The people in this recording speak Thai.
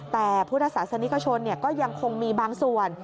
แต่พุทธศาสนิกชนก็ยังคงมีบางส่วน